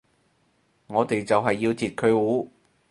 我哋就係要截佢糊